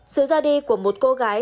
sự ra đi của một cô gái